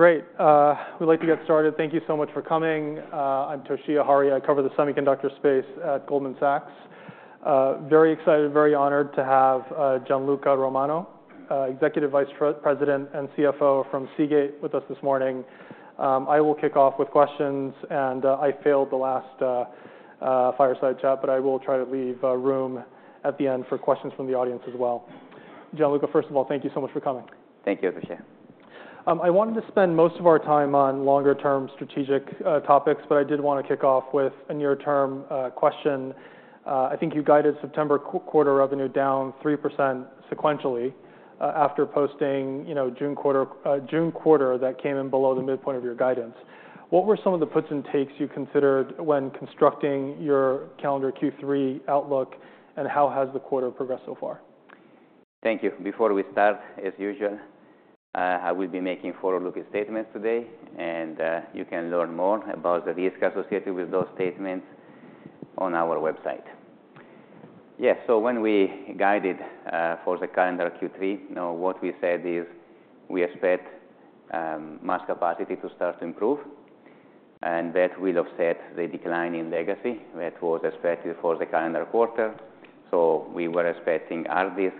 Great. We'd like to get started. Thank you so much for coming. I'm Toshiya Hari. I cover the semiconductor space at Goldman Sachs. Very excited, very honored to have Gianluca Romano, Executive Vice President and CFO from Seagate, with us this morning. I will kick off with questions, and I failed the last fireside chat, but I will try to leave room at the end for questions from the audience as well. Gianluca, first of all, thank you so much for coming. Thank you, Toshiya. I wanted to spend most of our time on longer-term strategic topics, but I did want to kick off with a near-term question. I think you guided September quarter revenue down 3% sequentially, after posting, you know, June quarter that came in below the midpoint of your guidance. What were some of the puts and takes you considered when constructing your calendar Q3 outlook, and how has the quarter progressed so far? Thank you. Before we start, as usual, I will be making forward-looking statements today, and you can learn more about the risks associated with those statements on our website. Yes, so when we guided for the calendar Q3, now, what we said is, we expect mass capacity to start to improve, and that will offset the decline in legacy that was expected for the calendar quarter. So we were expecting hard disk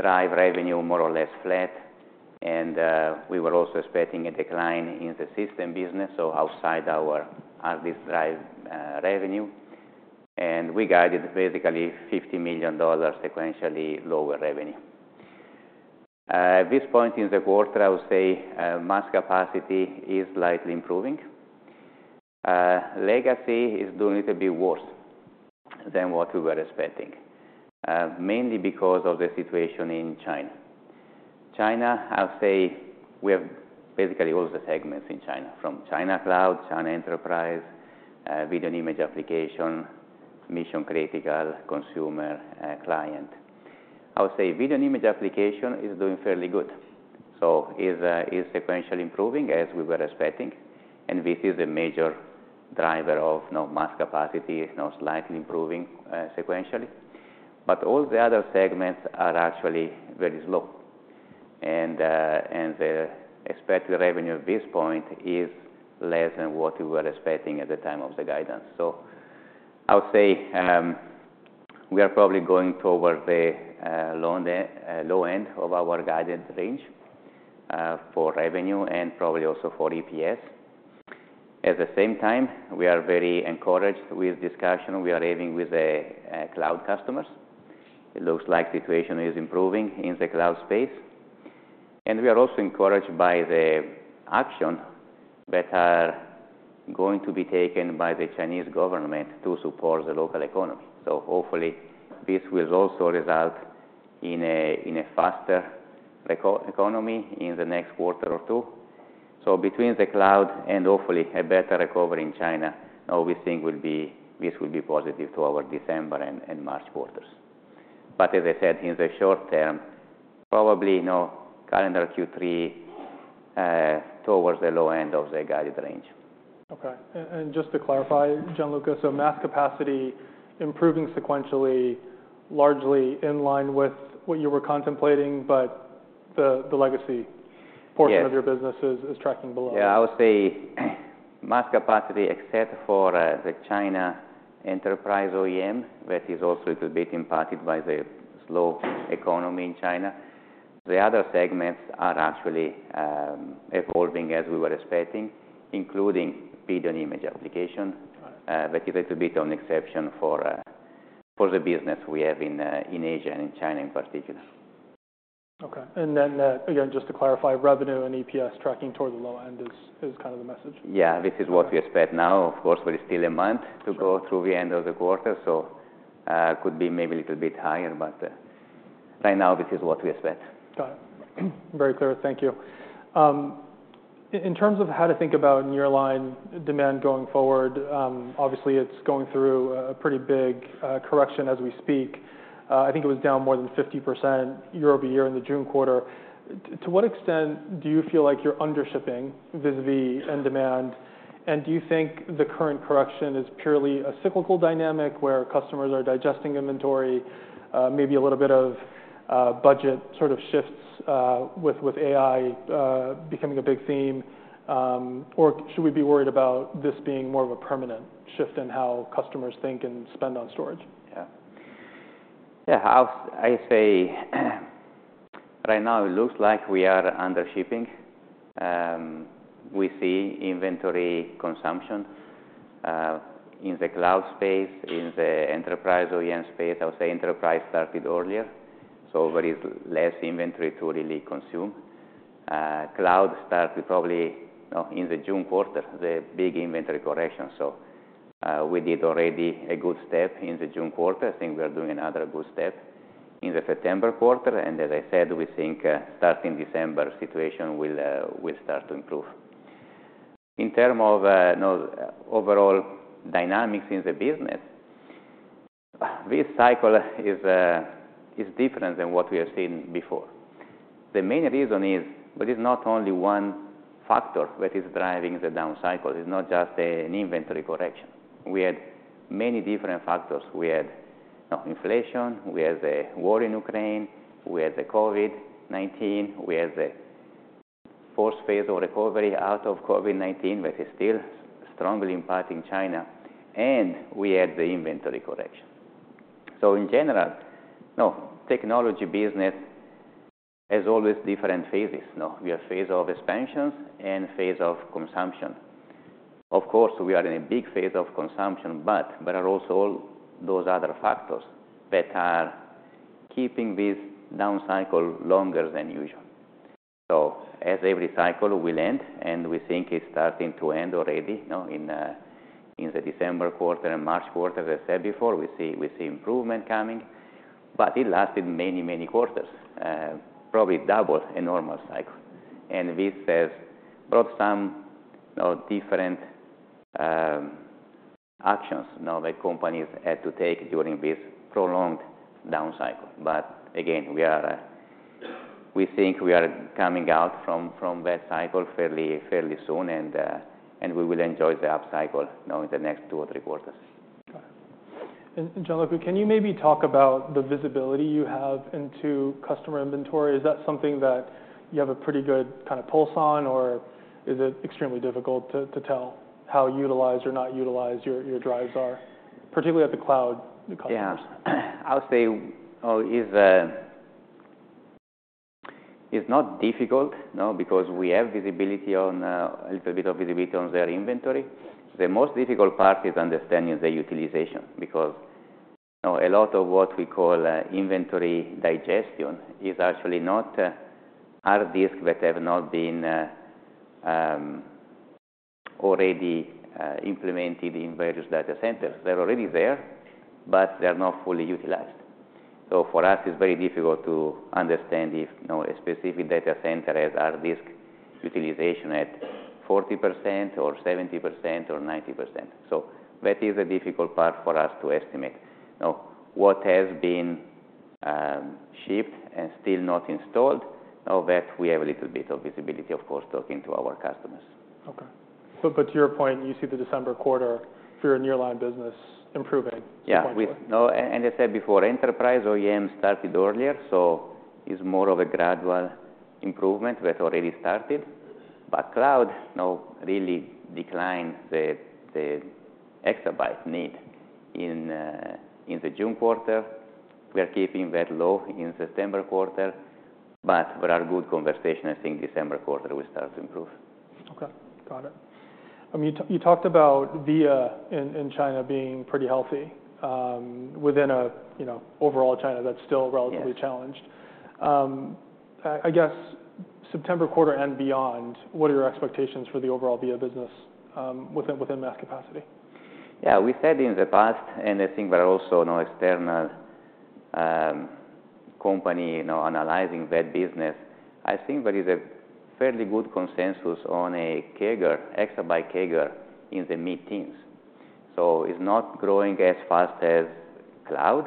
drive revenue more or less flat, and we were also expecting a decline in the system business, so outside our hard disk drive revenue, and we guided basically $50 million sequentially lower revenue. At this point in the quarter, I would say mass capacity is slightly improving. Legacy is doing a bit worse than what we were expecting, mainly because of the situation in China. China, I'll say we have basically all the segments in China, from China Cloud, China Enterprise, Video and Image Application, Mission-Critical, consumer, and client. I would say Video and Image Application is doing fairly good, so is sequentially improving as we were expecting, and this is a major driver of, you know, mass capacity, now slightly improving, sequentially. But all the other segments are actually very slow, and, and the expected revenue at this point is less than what we were expecting at the time of the guidance. So I would say, we are probably going toward the, low end, low end of our guidance range, for revenue and probably also for EPS. At the same time, we are very encouraged with discussion we are having with the, cloud customers. It looks like the situation is improving in the cloud space, and we are also encouraged by the actions that are going to be taken by the Chinese government to support the local economy. So hopefully, this will also result in a faster economy in the next quarter or two. So between the cloud and hopefully a better recovery in China, we think this will be positive to our December and March quarters. But as I said, in the short term, probably no calendar Q3 towards the low end of the guided range. Okay. And just to clarify, Gianluca, so mass capacity improving sequentially, largely in line with what you were contemplating, but the legacy- Yes portion of your business is tracking below? Yeah, I would say, mass capacity except for the China Enterprise OEM, that is also a little bit impacted by the slow economy in China. The other segments are actually evolving as we were expecting, including Video and Image Application. All right. But it is a bit of an exception for the business we have in Asia and in China in particular. Okay. And then, again, just to clarify, revenue and EPS tracking toward the low end is kind of the message? Yeah, this is what we expect now. Of course, we're still a month- Sure to go through the end of the quarter, so could be maybe a little bit higher, but right now this is what we expect. Got it. Very clear. Thank you. In terms of how to think about nearline demand going forward, obviously, it's going through a pretty big correction as we speak. I think it was down more than 50% year-over-year in the June quarter. To what extent do you feel like you're undershipping vis-a-vis end demand? And do you think the current correction is purely a cyclical dynamic, where customers are digesting inventory, maybe a little bit of budget sort of shifts, with AI becoming a big theme? Or should we be worried about this being more of a permanent shift in how customers think and spend on storage? Yeah. Yeah, I say, right now it looks like we are undershipping. We see inventory consumption in the cloud space, in the enterprise OEM space. I would say enterprise started earlier, so there is less inventory to really consume. Cloud started probably in the June quarter, the big inventory correction. So, we did already a good step in the June quarter. I think we are doing another good step in the September quarter, and as I said, we think starting December, situation will start to improve. In terms of, you know, overall dynamics in the business, this cycle is different than what we have seen before. The main reason is, there is not only one factor that is driving the down cycle. It's not just an inventory correction. We had many different factors. We had. Now, inflation, we have the war in Ukraine, we have the COVID-19, we have the fourth phase of recovery out of COVID-19, that is still strongly impacting China, and we have the inventory correction. So in general, now, technology business has always different phases, no? We have phase of expansions and phase of consumption. Of course, we are in a big phase of consumption, but there are also those other factors that are keeping this down cycle longer than usual. So as every cycle will end, and we think it's starting to end already, you know, in the December quarter and March quarter, as I said before, we see, we see improvement coming, but it lasted many, many quarters, probably double a normal cycle. And this has brought some different actions, now, that companies had to take during this prolonged down cycle. But again, we are, we think we are coming out from that cycle fairly soon, and we will enjoy the up cycle, you know, in the next two or three quarters. Okay. And Gianluca, can you maybe talk about the visibility you have into customer inventory? Is that something that you have a pretty good kind of pulse on, or is it extremely difficult to, to tell how utilized or not utilized your, your drives are, particularly at the cloud customers? Yeah. I'll say, it's not difficult, you know, because we have a little bit of visibility on their inventory. The most difficult part is understanding the utilization, because, you know, a lot of what we call inventory digestion is actually not hard disk that have not been already implemented in various data centers. They're already there, but they're not fully utilized. So for us, it's very difficult to understand if, you know, a specific data center has hard disk utilization at 40% or 70% or 90%. So that is a difficult part for us to estimate. Now, what has been shipped and still not installed, that we have a little bit of visibility, of course, talking to our customers. Okay. But to your point, you see the December quarter for your nearline business improving sequentially? Yeah, no, and I said before, enterprise OEM started earlier, so it's more of a gradual improvement that already started. But cloud, you know, really declined the exabyte need in the June quarter. We are keeping that low in September quarter, but there are good conversation. I think December quarter will start to improve. Okay, got it. You talked about VIA in China being pretty healthy, you know, within overall China that's still- Yes ...relatively challenged. I guess, September quarter and beyond, what are your expectations for the overall VIA business, within mass capacity? Yeah, we said in the past, and I think there are also no external company, you know, analyzing that business. I think there is a fairly good consensus on a CAGR, exabyte CAGR, in the mid-teens. So it's not growing as fast as cloud,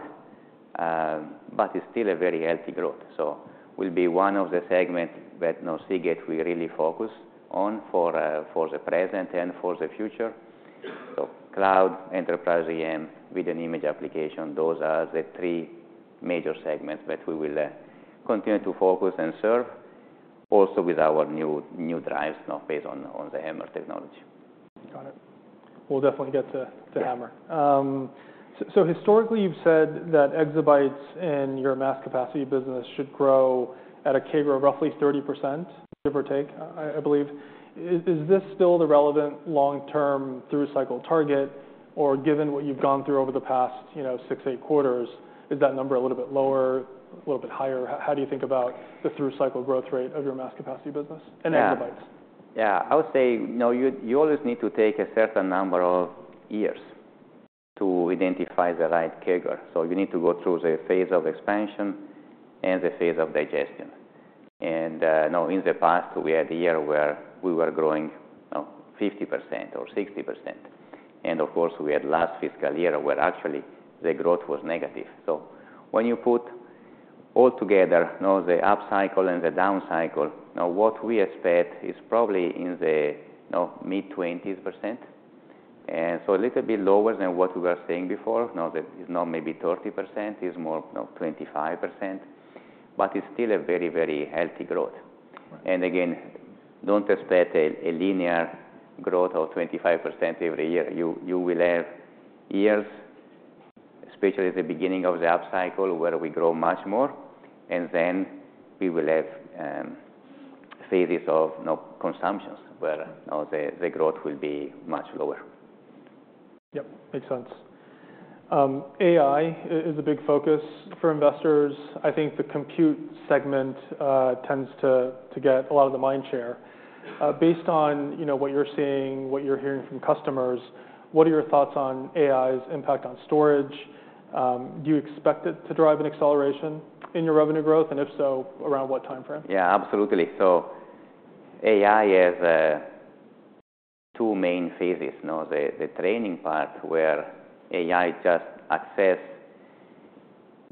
but it's still a very healthy growth. So it will be one of the segments that, you know, Seagate will really focus on for the present and for the future. So Cloud, Enterprise, OEM, Video Image Application, those are the three major segments that we will continue to focus and serve, also with our new drives, now based on the HAMR technology. Got it. We'll definitely get to, to HAMR. Yeah. So, so historically, you've said that exabytes in your mass capacity business should grow at a CAGR of roughly 30%, give or take, I, I believe. Is, is this still the relevant long-term through-cycle target, or given what you've gone through over the past, you know, six, eight quarters, is that number a little bit lower, a little bit higher? How do you think about the through-cycle growth rate of your mass capacity business- Yeah ...and exabytes? Yeah. I would say, you know, you, you always need to take a certain number of years to identify the right CAGR. So you need to go through the phase of expansion and the phase of digestion. And, you know, in the past, we had a year where we were growing, 50% or 60%. And of course, we had last fiscal year, where actually the growth was negative. So when you put all together, you know, the up cycle and the down cycle, now, what we expect is probably in the, you know, mid-20s%, and so a little bit lower than what we were saying before. Now, that is not maybe 30%, it's more, you know, 25%, but it's still a very, very healthy growth. Right. Again, don't expect a linear growth of 25% every year. You will have years, especially at the beginning of the up cycle, where we grow much more, and then we will have phases of no consumptions, where, you know, the growth will be much lower. Yep, makes sense. AI is a big focus for investors. I think the compute segment tends to get a lot of the mind share. Based on, you know, what you're seeing, what you're hearing from customers, what are your thoughts on AI's impact on storage? Do you expect it to drive an acceleration in your revenue growth, and if so, around what timeframe? Yeah, absolutely. So AI has two main phases, you know, the training part, where AI just accesses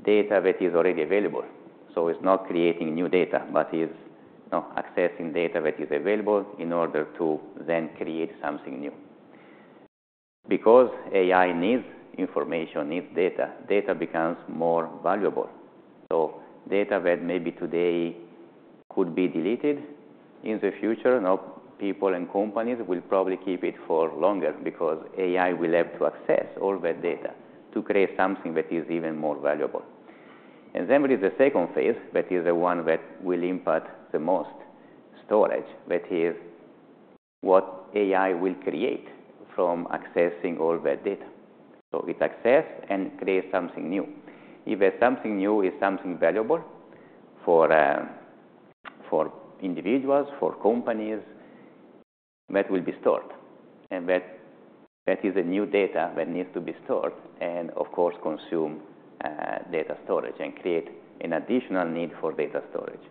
data that is already available. So it's not creating new data, but is, you know, accessing data that is available in order to then create something new. Because AI needs information, needs data, data becomes more valuable. So data that maybe today could be deleted, in the future, you know, people and companies will probably keep it for longer because AI will have to access all that data to create something that is even more valuable. And then there is the second phase, that is the one that will impact the most storage, that is what AI will create from accessing all that data. So it access and create something new. If that something new is something valuable for, for individuals, for companies, that will be stored, and that, that is a new data that needs to be stored, and of course, consume, data storage and create an additional need for data storage.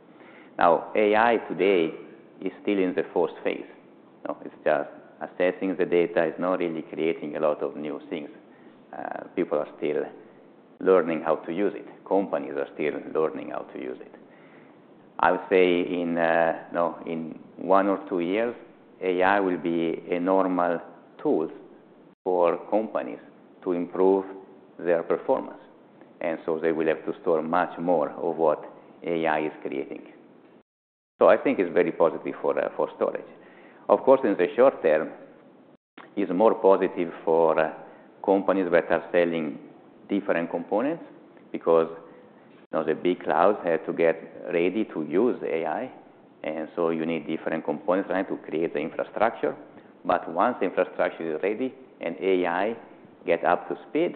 Now, AI today is still in the first phase. You know, it's just assessing the data, it's not really creating a lot of new things. People are still learning how to use it. Companies are still learning how to use it. I would say in, you know, in one or two years, AI will be a normal tool for companies to improve their performance, and so they will have to store much more of what AI is creating. So I think it's very positive for, for storage. Of course, in the short term, it's more positive for companies that are selling different components because, you know, the big clouds have to get ready to use AI, and so you need different components, right, to create the infrastructure. But once the infrastructure is ready and AI get up to speed,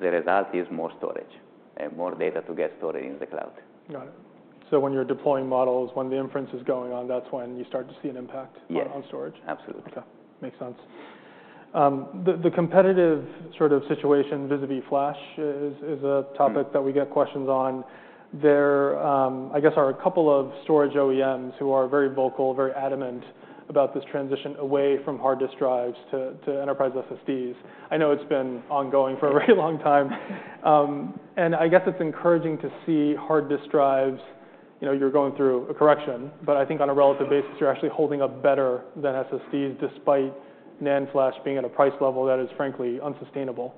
the result is more storage and more data to get stored in the cloud. Got it. So when you're deploying models, when the inference is going on, that's when you start to see an impact- Yes. -on storage? Absolutely. Okay. Makes sense. The competitive sort of situation vis-à-vis flash is a topic- Mm. -that we get questions on. There, I guess, are a couple of storage OEMs who are very vocal, very adamant about this transition away from hard disk drives to enterprise SSDs. I know it's been ongoing for a very long time. And I guess it's encouraging to see hard disk drives. You know, you're going through a correction, but I think on a relative basis, you're actually holding up better than SSDs, despite NAND flash being at a price level that is, frankly, unsustainable.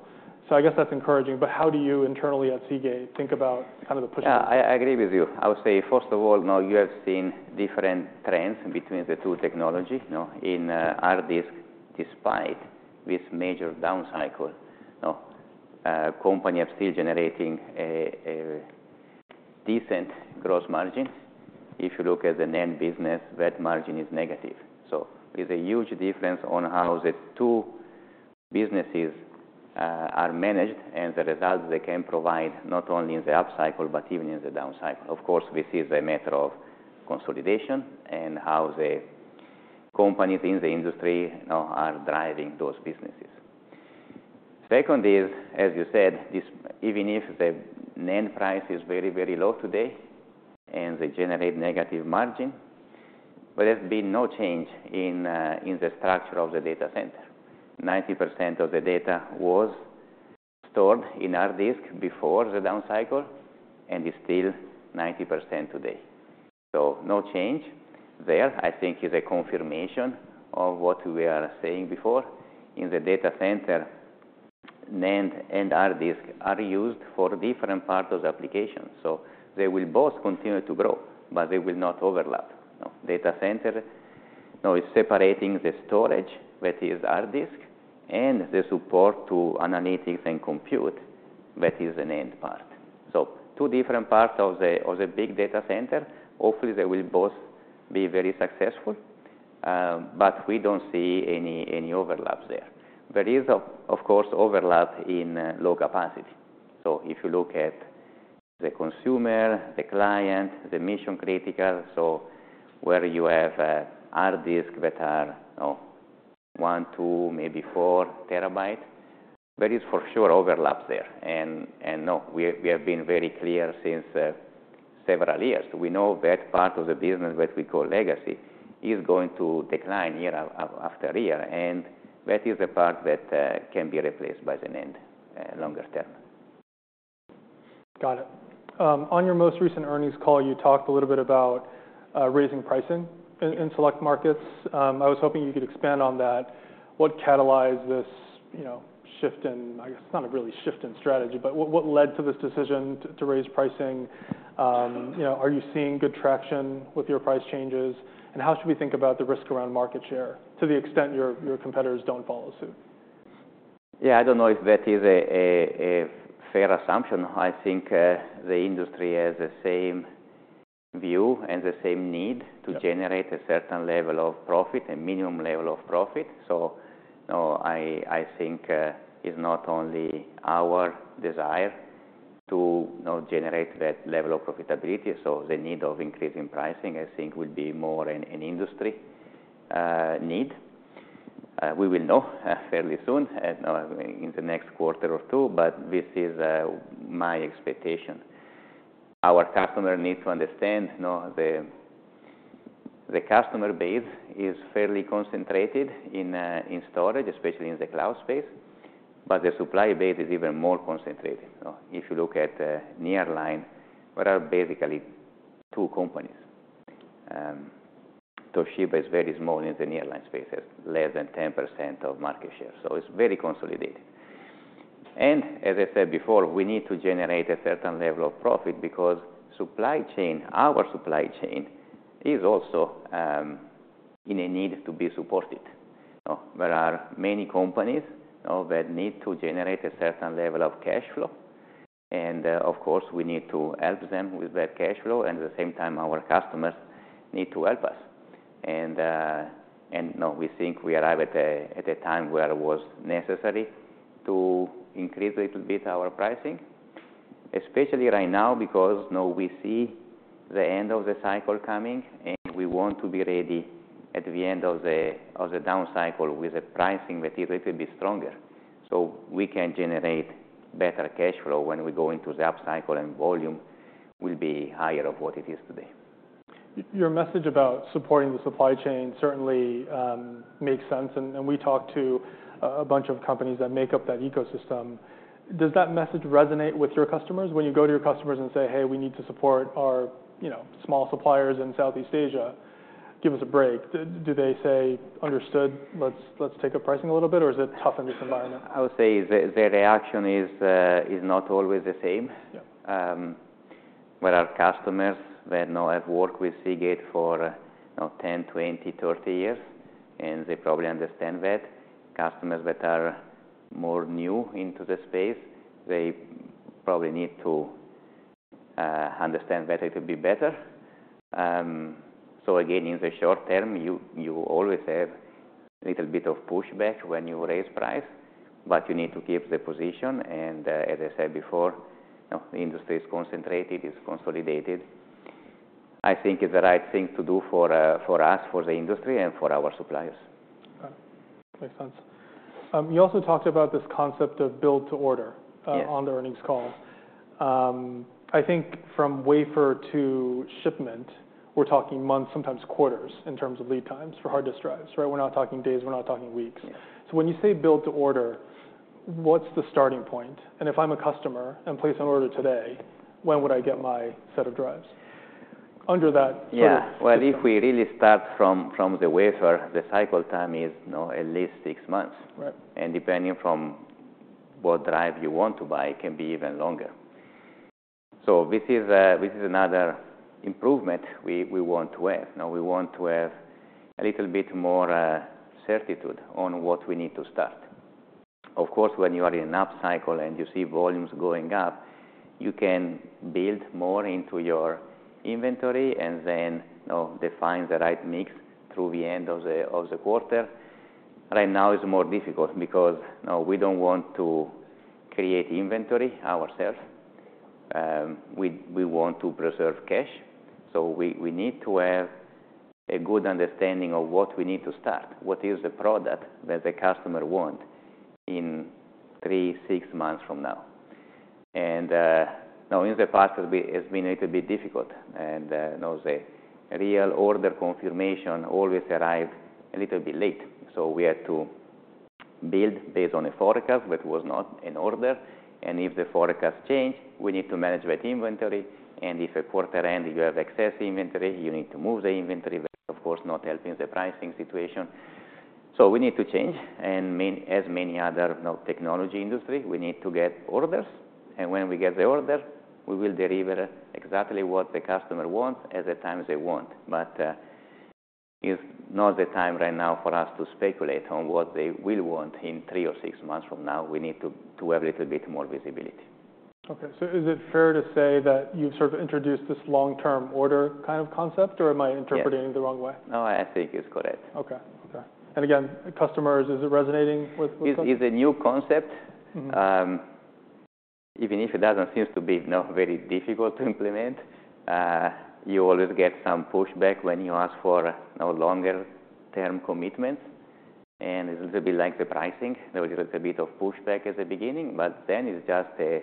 So I guess that's encouraging, but how do you internally at Seagate think about kind of the push. I agree with you. I would say, first of all, now you have seen different trends between the two technologies, you know, in hard disk, despite this major down cycle. You know, company are still generating a decent gross margin. If you look at the NAND business, that margin is negative. So there's a huge difference on how the two businesses are managed and the results they can provide, not only in the upcycle, but even in the downcycle. Of course, this is a matter of consolidation and how the companies in the industry, you know, are driving those businesses. Second is, as you said, even if the NAND price is very, very low today and they generate negative margin, but there's been no change in the structure of the data center. 90% of the data was stored in hard disk before the down cycle, and it's still 90% today. So no change there, I think, is a confirmation of what we are saying before. In the data center, NAND and hard disk are used for different parts of the application. So they will both continue to grow, but they will not overlap. You know, data center, you know, is separating the storage, that is hard disk, and the support to analytics and compute, that is the NAND part. So two different parts of the big data center. Hopefully, they will both be very successful, but we don't see any overlaps there. There is, of course, overlap in low capacity. So if you look at the consumer, the client, the mission-critical, so where you have hard disk that are, you know, 1, 2, maybe 4 TB, there is for sure overlap there. And no, we have been very clear since several years. We know that part of the business, that we call legacy, is going to decline year-after-year, and that is the part that can be replaced by the NAND longer term. Got it. On your most recent earnings call, you talked a little bit about raising pricing in select markets. I was hoping you could expand on that. What catalyzed this, you know, shift in—I guess, not really a shift in strategy, but what led to this decision to raise pricing? You know, are you seeing good traction with your price changes? And how should we think about the risk around market share, to the extent your competitors don't follow suit? Yeah, I don't know if that is a fair assumption. I think the industry has the same view and the same need- Yeah -to generate a certain level of profit, a minimum level of profit. So, you know, I think, it's not only our desire to, you know, generate that level of profitability. So the need of increasing pricing, I think, will be more an industry need. We will know, fairly soon, in the next quarter or two, but this is my expectation. Our customer needs to understand, you know, the customer base is fairly concentrated in storage, especially in the cloud space, but the supply base is even more concentrated. So if you look at nearline, there are basically two companies. Toshiba is very small in the nearline space, has less than 10% of market share, so it's very consolidated. As I said before, we need to generate a certain level of profit because supply chain, our supply chain, is also in a need to be supported. So there are many companies, you know, that need to generate a certain level of cash flow, and of course, we need to help them with that cash flow, and at the same time, our customers need to help us. You know, we think we arrive at a time where it was necessary to increase a little bit our pricing, especially right now, because, you know, we see the end of the cycle coming, and we want to be ready at the end of the down cycle with a pricing that is a little bit stronger, so we can generate better cash flow when we go into the upcycle and volume will be higher of what it is today. Your message about supporting the supply chain certainly makes sense, and we talked to a bunch of companies that make up that ecosystem. Does that message resonate with your customers? When you go to your customers and say, "Hey, we need to support our, you know, small suppliers in Southeast Asia, give us a break." Do they say, "Understood, let's take up pricing a little bit," or is it tough in this environment? I would say the reaction is not always the same. Yeah. But our customers that now have worked with Seagate for, you know, 10, 20, 30 years, and they probably understand that. Customers that are more new into the space, they probably need to understand better to be better. So again, in the short term, you, you always have a little bit of pushback when you raise price, but you need to keep the position, and, as I said before, you know, the industry is concentrated, is consolidated. I think it's the right thing to do for, for us, for the industry, and for our suppliers. Makes sense. You also talked about this concept of build-to-order- Yes. -on the earnings call. I think from wafer to shipment, we're talking months, sometimes quarters, in terms of lead times for hard disk drives, right? We're not talking days, we're not talking weeks. Yeah. So when you say build to order, what's the starting point? And if I'm a customer, and place an order today, when would I get my set of drives under that sort of? Yeah, well, if we really start from the wafer, the cycle time is, you know, at least six months. Right. And depending from what drive you want to buy, it can be even longer. So this is, this is another improvement we want to have. Now, we want to have a little bit more certitude on what we need to start. Of course, when you are in an upcycle and you see volumes going up, you can build more into your inventory and then, you know, define the right mix through the end of the quarter. Right now, it's more difficult because, you know, we don't want to create inventory ourselves, we want to preserve cash, so we need to have a good understanding of what we need to start. What is the product that the customer want in three, six months from now? Now, in the past, it's been, it's been a little bit difficult, and, you know, the real order confirmation always arrive a little bit late. So we had to build based on a forecast, but it was not an order, and if the forecast change, we need to manage that inventory, and if at quarter end you have excess inventory, you need to move the inventory, that, of course, not helping the pricing situation. So we need to change, and many, as many other, you know, technology industry, we need to get orders, and when we get the order, we will deliver exactly what the customer wants at the time they want. But, it's not the time right now for us to speculate on what they will want in three or six months from now. We need to have a little bit more visibility. Okay. So is it fair to say that you've sort of introduced this long-term order kind of concept, or am I interpreting- Yes. ...it the wrong way? No, I think it's correct. Okay. Okay. And again, the customers, is it resonating with the. It's a new concept. Even if it doesn't, seems to be, you know, very difficult to implement, you always get some pushback when you ask for, you know, longer term commitment, and it's a little bit like the pricing, there was a little bit of pushback at the beginning, but then it's just the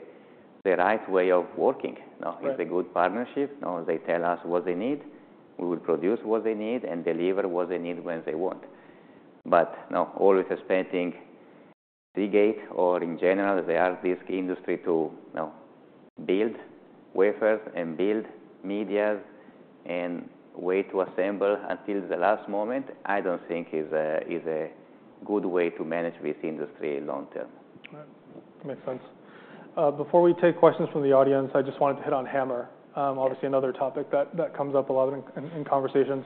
right way of working. Right. Now, it's a good partnership, now they tell us what they need, we will produce what they need, and deliver what they need when they want. But, you know, always expecting Seagate, or in general, the hard disk industry to, you know, build wafers, and build medias, and wait to assemble until the last moment, I don't think is a good way to manage with the industry long term. All right. Makes sense. Before we take questions from the audience, I just wanted to hit on HAMR. Obviously another topic that comes up a lot in conversations.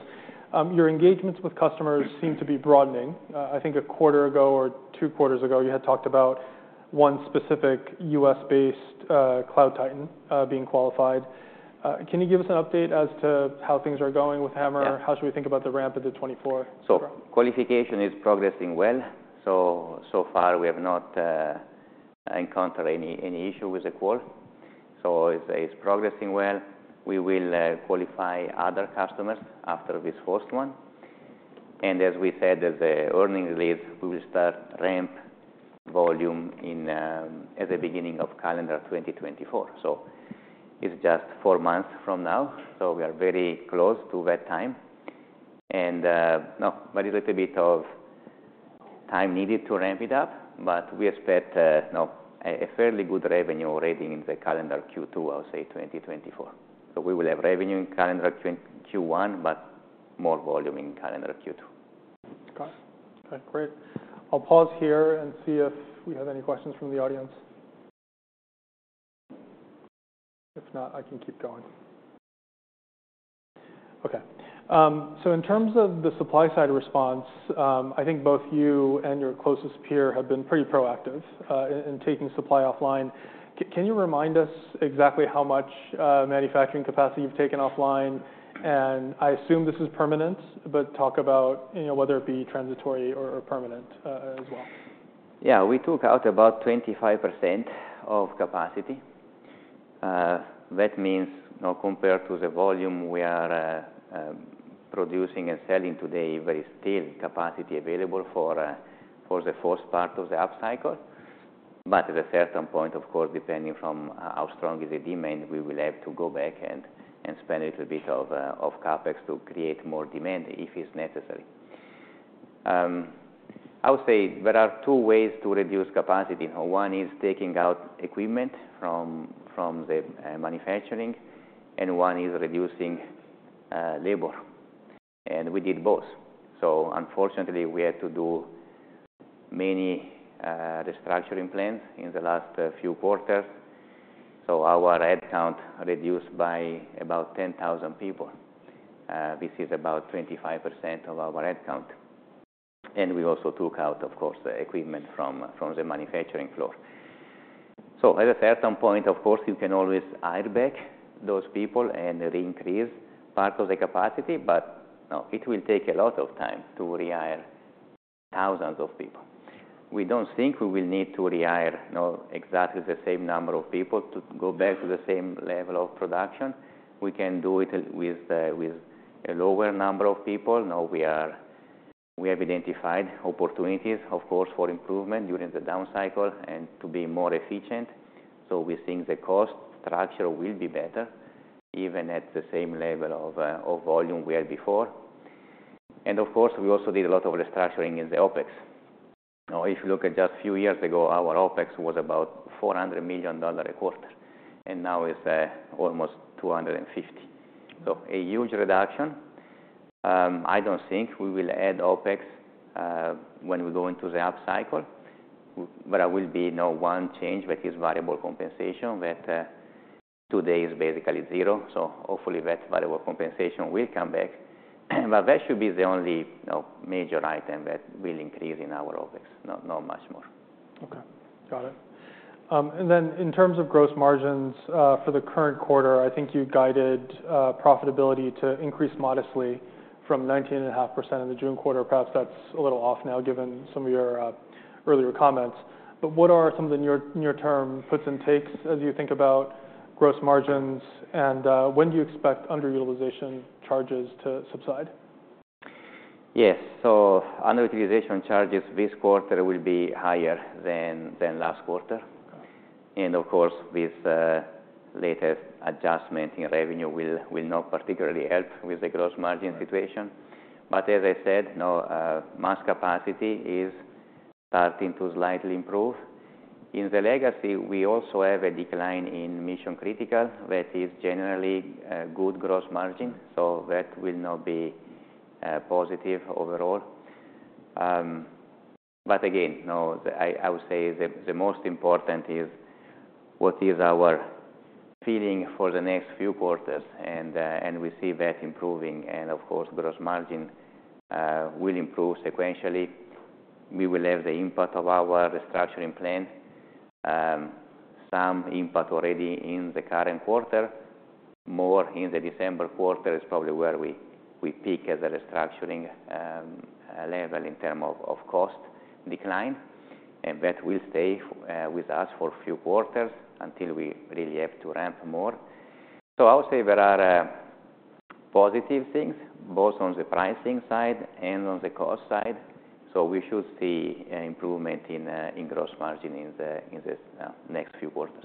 Your engagements with customers seem to be broadening. I think a quarter ago or two quarters ago, you had talked about one specific U.S.-based cloud titan being qualified. Can you give us an update as to how things are going with HAMR? Yeah. How should we think about the ramp into 2024? So qualification is progressing well. So, so far, we have not encountered any issue with the core. So it's progressing well. We will qualify other customers after this first one. And as we said, at the earnings release, we will start ramp volume in at the beginning of calendar 2024. So it's just four months from now, so we are very close to that time. And, no, but a little bit of time needed to ramp it up, but we expect, you know, a fairly good revenue already in the calendar Q2, I'll say 2024. So we will have revenue in calendar Q1, but more volume in calendar Q2. Got it. Okay, great. I'll pause here and see if we have any questions from the audience. If not, I can keep going. Okay, so in terms of the supply side response, I think both you and your closest peer have been pretty proactive in taking supply offline. Can you remind us exactly how much manufacturing capacity you've taken offline? And I assume this is permanent, but talk about, you know, whether it be transitory or permanent as well. Yeah, we took out about 25% of capacity. That means, you know, compared to the volume we are producing and selling today, there is still capacity available for the first part of the upcycle. But at a certain point, of course, depending from how strong is the demand, we will have to go back and spend a little bit of CapEx to create more demand if it's necessary. I would say there are two ways to reduce capacity. One is taking out equipment from the manufacturing, and one is reducing labor, and we did both. So unfortunately, we had to do many restructuring plans in the last few quarters, so our headcount reduced by about 10,000 people. This is about 25% of our headcount. We also took out, of course, the equipment from the manufacturing floor. So at a certain point, of course, you can always hire back those people and reincrease part of the capacity, but no, it will take a lot of time to rehire thousands of people. We don't think we will need to rehire, you know, exactly the same number of people to go back to the same level of production. We can do it with a lower number of people. Now, we have identified opportunities, of course, for improvement during the down cycle and to be more efficient, so we think the cost structure will be better even at the same level of volume we had before. And of course, we also did a lot of restructuring in the OpEx. Now, if you look at just a few years ago, our OpEx was about $400 million a quarter, and now it's almost $250 million. So a huge reduction. I don't think we will add OpEx when we go into the upcycle, but there will be, you know, one change, which is variable compensation, that today is basically zero. So hopefully, that variable compensation will come back. But that should be the only, you know, major item that will increase in our OpEx, not much more. Okay, got it. And then in terms of gross margins, for the current quarter, I think you guided profitability to increase modestly from 19.5% in the June quarter. Perhaps that's a little off now, given some of your earlier comments. But what are some of the near-term puts and takes as you think about gross margins, and when do you expect underutilization charges to subside? Yes. So underutilization charges this quarter will be higher than last quarter. Okay. Of course, with latest adjustment in revenue will not particularly help with the gross margin situation. But as I said, you know, mass capacity is starting to slightly improve. In the legacy, we also have a decline in mission-critical, that is generally good gross margin, so that will now be positive overall. But again, now I would say the most important is what is our feeling for the next few quarters, and we see that improving, and of course, gross margin will improve sequentially. We will have the impact of our restructuring plan, some impact already in the current quarter. More in the December quarter is probably where we peak at the restructuring level in terms of cost decline, and that will stay with us for a few quarters until we really have to ramp more. So I would say there are positive things, both on the pricing side and on the cost side, so we should see an improvement in gross margin in the next few quarters.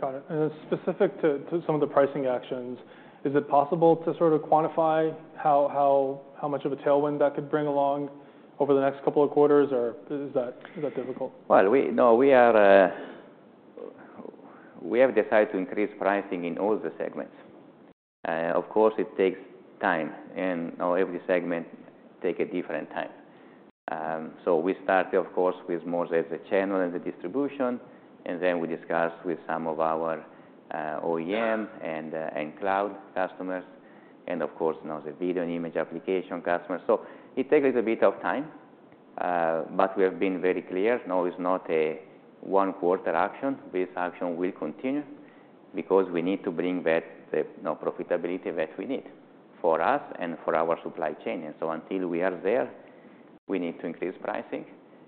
Got it. Then specific to some of the pricing actions, is it possible to sort of quantify how much of a tailwind that could bring along over the next couple of quarters, or is that difficult? Well, no, we are, we have decided to increase pricing in all the segments. Of course, it takes time, and, you know, every segment take a different time. So we started, of course, with the channel and the distribution, and then we discussed with some of our OEM and cloud customers, and of course, now the Video and Image Application customers. So it takes a little bit of time, but we have been very clear. No, it's not a one-quarter action. This action will continue because we need to bring that, the, you know, profitability that we need for us and for our supply chain. And so until we are there, we need to increase pricing,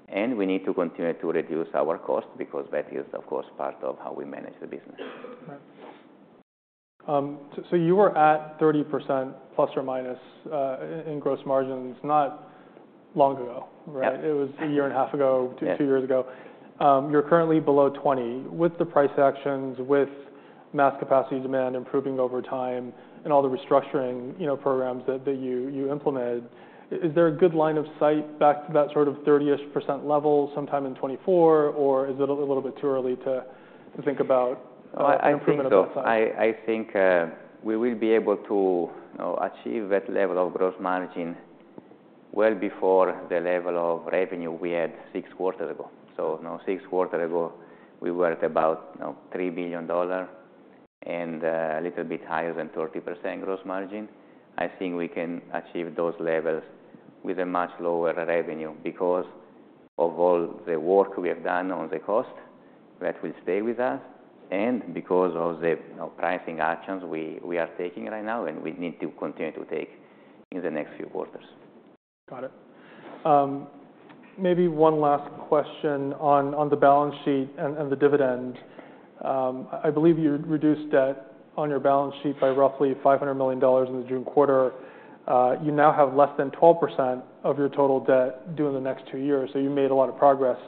and we need to continue to reduce our costs, because that is, of course, part of how we manage the business. Okay, so you were at 30%±, in gross margins, not long ago, right? Yep. It was a year and a half ago. Yes. Two years ago. You're currently below 20%. With the price actions, with mass capacity demand improving over time, and all the restructuring, you know, programs that you implemented, is there a good line of sight back to that sort of 30-ish% level sometime in 2024? Or is it a little bit too early to think about- Oh, I think so. from the outside? I think we will be able to, you know, achieve that level of gross margin well before the level of revenue we had six quarters ago. So, you know, six quarters ago, we were at about, you know, $3 billion and a little bit higher than 30% gross margin. I think we can achieve those levels with a much lower revenue, because of all the work we have done on the cost, that will stay with us, and because of the, you know, pricing actions we are taking right now, and we need to continue to take in the next few quarters. Got it. Maybe one last question on, on the balance sheet and, and the dividend. I believe you reduced debt on your balance sheet by roughly $500 million in the June quarter. You now have less than 12% of your total debt due in the next two years, so you made a lot of progress.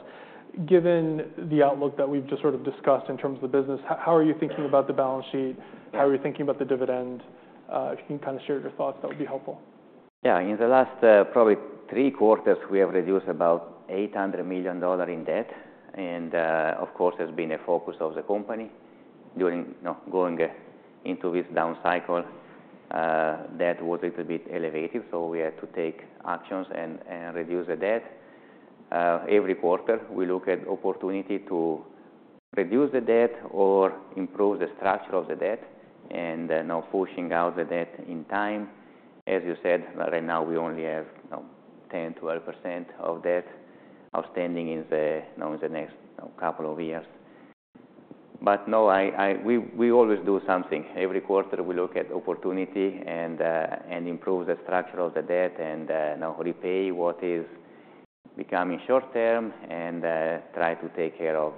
Given the outlook that we've just sort of discussed in terms of the business, how, how are you thinking about the balance sheet? Yeah. How are you thinking about the dividend? If you can kinda share your thoughts, that would be helpful. Yeah. In the last, probably three quarters, we have reduced about $800 million in debt, and, of course, has been a focus of the company. During, you know, going into this down cycle, debt was a little bit elevated, so we had to take actions and reduce the debt. Every quarter, we look at opportunity to reduce the debt or improve the structure of the debt, and now pushing out the debt in time. As you said, right now, we only have, you know, 10%-12% of debt outstanding in the, you know, in the next, you know, couple of years. But no, we always do something. Every quarter, we look at opportunity and improve the structure of the debt, and you know, repay what is becoming short term and try to take care of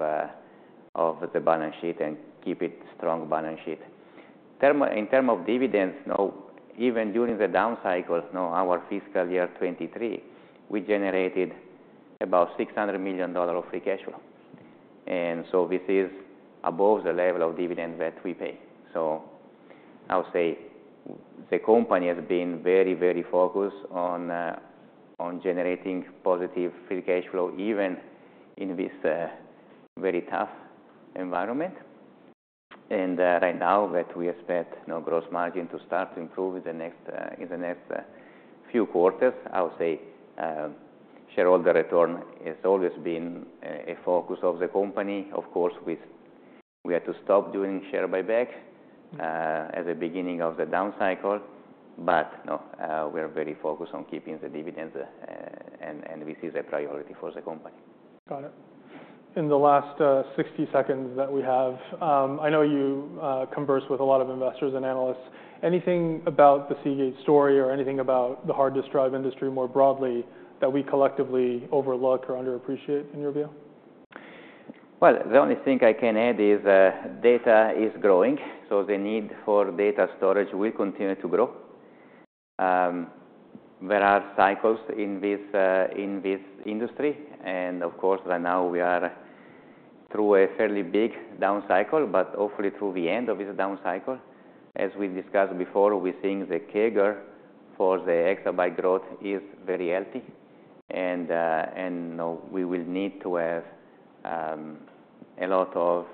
of the balance sheet and keep it strong balance sheet. In terms of dividends, you know, even during the down cycles, you know, our fiscal year 2023, we generated about $600 million of free cash flow, and so this is above the level of dividends that we pay. So I would say the company has been very, very focused on generating positive free cash flow, even in this very tough environment. And right now that we expect, you know, gross margin to start to improve in the next few quarters, I would say, shareholder return has always been a focus of the company. Of course, we had to stop doing share buyback at the beginning of the down cycle, but, you know, we are very focused on keeping the dividends, and this is a priority for the company. Got it. In the last 60 seconds that we have, I know you converse with a lot of investors and analysts. Anything about the Seagate story or anything about the hard disk drive industry more broadly, that we collectively overlook or underappreciate in your view? Well, the only thing I can add is that data is growing, so the need for data storage will continue to grow. There are cycles in this industry, and of course, right now we are through a fairly big down cycle, but hopefully through the end of this down cycle. As we discussed before, we're seeing the CAGR for the exabyte growth is very healthy and, you know, we will need to have a lot of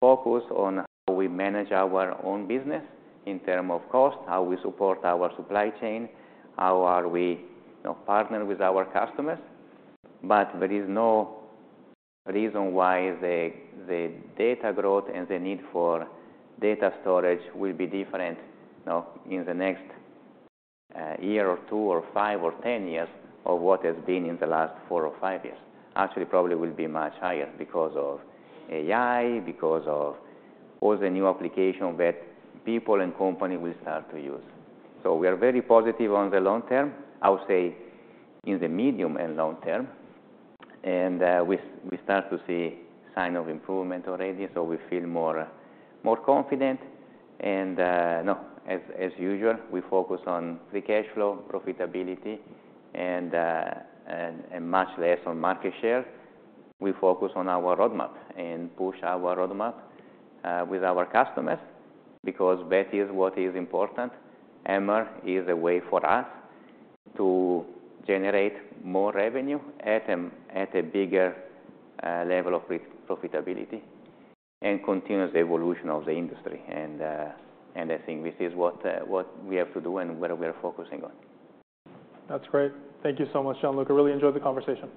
focus on how we manage our own business in terms of cost, how we support our supply chain, how are we, you know, partner with our customers. But there is no reason why the data growth and the need for data storage will be different, you know, in the next year or two or five or 10 years, of what has been in the last four or five years. Actually, probably will be much higher because of AI, because of all the new application that people and company will start to use. So we are very positive on the long term, I would say in the medium and long term, and we start to see sign of improvement already, so we feel more confident. And you know, as usual, we focus on free cash flow, profitability, and much less on market share. We focus on our roadmap and push our roadmap with our customers, because that is what is important. HAMR is a way for us to generate more revenue at a bigger level of profitability and continues the evolution of the industry, and I think this is what we have to do and what we are focusing on. That's great. Thank you so much, Gianluca. I really enjoyed the conversation.